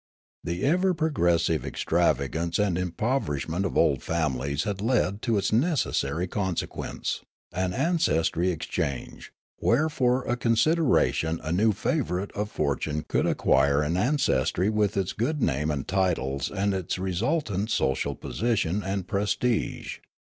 The ever progressive extravagance and impoverish ment of old families had led to its necessary consequence, an ancestry exchange, where for a consideration a new favourite of fortune could acquire an ancestry with its good name and titles and its resultant social posi tion and prestige.